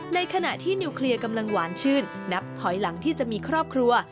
ในขณะที่นิวเคลียร์กำลังหวานชื่นนับถอยหลังที่จะมีครอบครัว